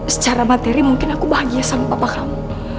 secara materi mungkin aku bahagia sama papa kamu